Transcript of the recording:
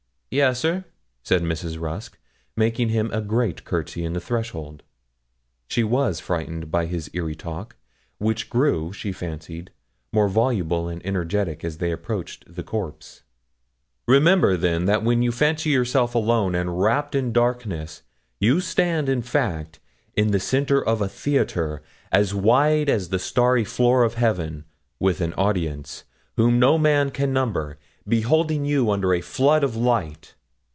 'Yes, sir,' said Mrs. Rusk, making him a great courtesy in the threshold. She was frightened by his eerie talk, which grew, she fancied, more voluble and energetic as they approached the corpse. 'Remember, then, that when you fancy yourself alone and wrapt in darkness, you stand, in fact, in the centre of a theatre, as wide as the starry floor of heaven, with an audience, whom no man can number, beholding you under a flood of light.